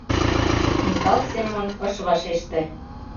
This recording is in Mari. Микал Семон ыш вашеште.